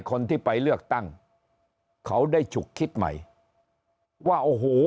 คนที่ไปเลือกตั้งเขาได้ฉุกคิดใหม่ว่าโอ้โห